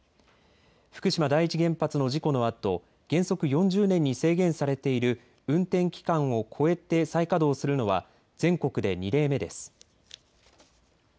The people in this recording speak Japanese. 福島第一原発の事故のあと原則４０年に制限されている運転期間を超えて再稼働するのは全国で２例目です。